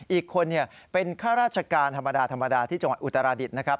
อีกคนเป็นข้าราชการธรรมดาที่จังหวัดอุตรราดิศนะครับ